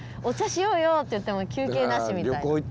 「お茶しようよ」って言っても休憩なしみたいな。